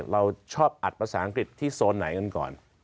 เราชอบอัดภาษาอังกฤษที่โซนไหนกันก่อน